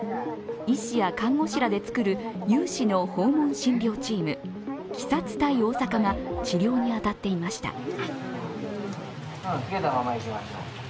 医師や看護師らで作る有志の訪問診療チームＫＩＳＡ２隊大阪が治療に当たっていました。